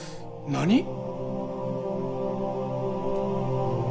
何っ！？